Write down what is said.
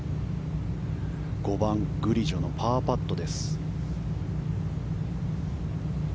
５番グリジョのパーパット。